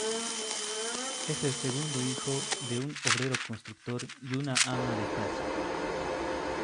Es el segundo hijo de un obrero constructor y una ama de casa.